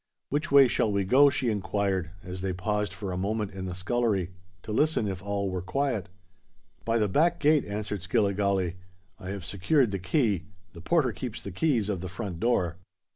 "Which way shall we go?" she inquired, as they paused for a moment in the scullery, to listen if all were quiet. "By the back gate," answered Skilligalee. "I have secured the key. The porter keeps the keys of the front door."